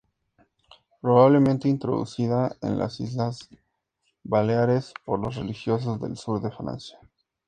Probablemente introducida en las Islas Baleares por los religiosos del sur de Francia.